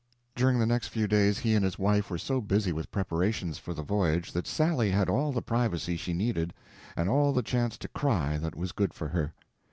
During the next few days he and his wife were so busy with preparations for the voyage that Sally had all the privacy she needed, and all the chance to cry that was good for her.